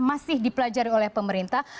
masih dipelajari oleh pemerintah